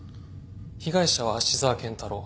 被害者は芦沢健太郎。